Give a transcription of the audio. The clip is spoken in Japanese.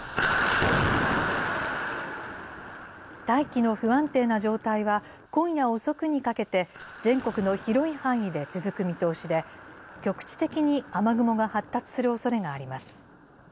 大気の不安定な状態は、今夜遅くにかけて全国の広い範囲で続く見通しで、局地的に雨雲が発達するおそれがあります。